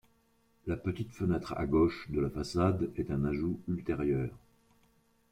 La petite fenêtre à gauche de la façade est un ajout ultérieur.